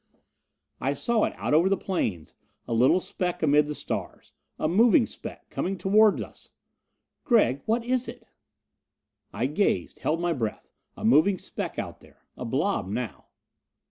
I saw it out over the plains a little speck amid the stars. A moving speck, coming toward us! "Gregg, what is it?" I gazed, held my breath. A moving speck out there. A blob now.